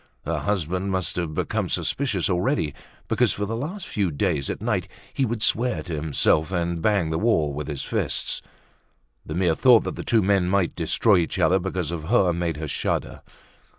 Her husband must have become suspicious already because for the last few days, at night, he would swear to himself and bang the wall with his fists. The mere thought that the two men might destroy each other because of her made her shudder.